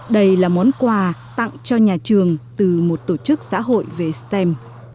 đây là món quà tặng cho nhà trường từ một tổ chức xã hội về stem